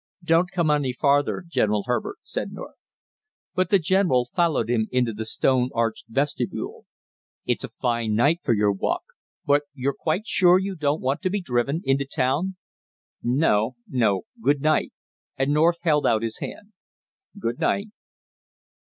"Don't come any farther, General Herbert!" said North. But the general followed him into the stone arched vestibule. "It's a fine night for your walk, but you're quite sure you don't want to be driven into town?" "No, no, good night." And North held out his hand. "Good night."